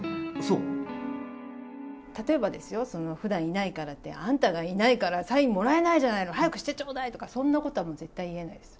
例えばですよ、ふだんいないからって、あんたがいないからサインもらえないじゃないの、早くしてちょうだいとか、そんなことはもう絶対言えないです。